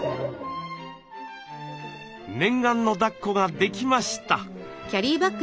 念願のだっこができました。